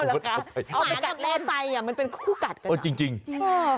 สามารถหักไปเกิดใส่แหม